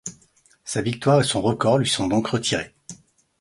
Sa victoire et son record lui sont donc retirés.